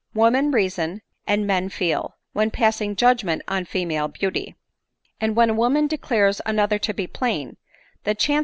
Women reason, and men feel, when passing judgment on female beauty ; and when a woman declares another to be plain, the chance?